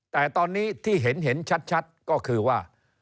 แต่ตอนนี้ที่เห็นชัดก็คือว่า